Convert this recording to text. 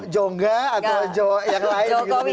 jongga atau yang lain